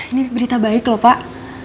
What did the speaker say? ini berita baik lho pak